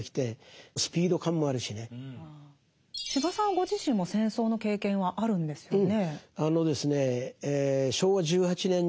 ご自身も戦争の経験はあるんですよね。